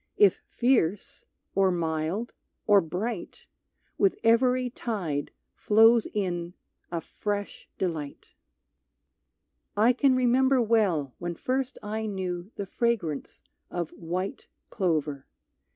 If fierce, or mild, or bright, With every tide flows in a fresh delight. I can remember well when first I knew The fragrance of white clover.